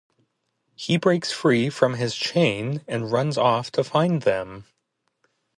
He breaks free from his chain and runs off to find them.